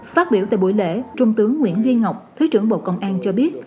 phát biểu tại buổi lễ trung tướng nguyễn duy ngọc thứ trưởng bộ công an cho biết